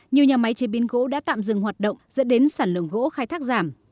nhiều nhà máy chế biến gỗ đã tạm dừng hoạt động dẫn đến sản lượng gỗ khai thác giảm